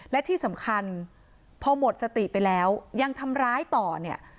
และที่สำคัญพอหมดสติไปแล้วยังทำร้ายต่อเนี่ย